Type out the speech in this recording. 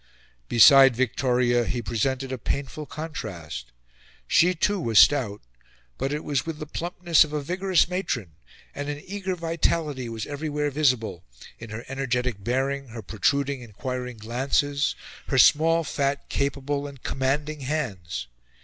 Beside Victoria, he presented a painful contrast. She, too, was stout, but it was with the plumpness of a vigorous matron; and an eager vitality was everywhere visible in her energetic bearing, her protruding, enquiring glances, her small, fat, capable, and commanding hands.